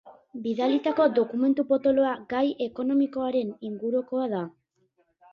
Bidalitako dokumentu potoloa gai ekonomikoaren ingurukoa da.